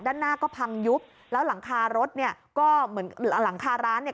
ด้านหน้าก็พังยุบแล้วหลังคารถเนี่ยก็เหมือนหลังคาร้านเนี่ย